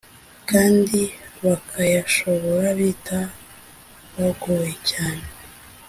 kandi bakayashobora bita bagoye cyane.